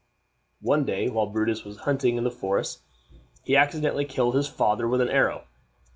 One day, while Brutus was hunting in the forests, he accidentally killed his father with an arrow.